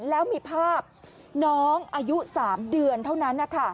แล้วมีภาพน้องอายุ๓เดือนเท่านั้น